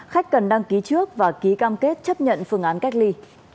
khách cần đăng ký trước và ký cam kết chấp nhận phương án cách ly